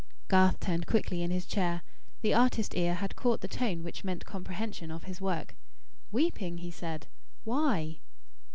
Garth turned quickly in his chair. The artist ear had caught the tone which meant comprehension of his work. "Weeping!" he said. "Why?"